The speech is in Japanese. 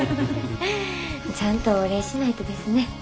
ちゃんとお礼しないとですね。